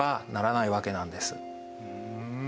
うん。